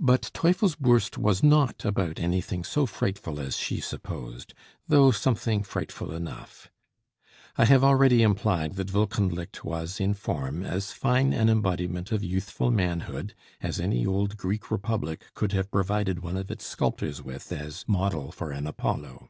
But Teufelsbürst was not about anything so frightful as she supposed, though something frightful enough. I have already implied that Wolkenlicht was, in form, as fine an embodiment of youthful manhood as any old Greek republic could have provided one of its sculptors with as model for an Apollo.